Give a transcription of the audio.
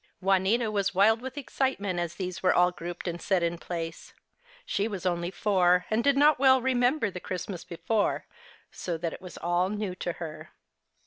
Juanita was wild with excitement as 53 54 Our Little Spanish Cousin these were all grouped and set in place. She was only four and did not well remember the Christmas before, so that it was all new to her.